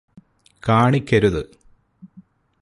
കാണിക്കരുത്